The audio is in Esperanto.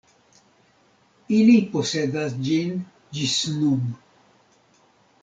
Ili posedas ĝin ĝis nun.